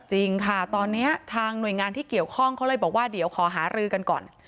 จริงค่ะตอนนี้ทางหน่วยงานที่เกี่ยวข้องเขาเลยบอกว่าเดี๋ยวขอหารือกันก่อน